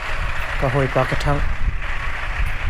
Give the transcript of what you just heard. Ka hawipa ka ṭhangh.